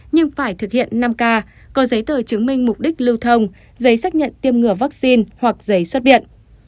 nhưng phải thực hiện năm k có giấy tờ chứng minh mục đích lưu thông giấy xác nhận tiêm ngừa vaccine hoặc giấy xuất viện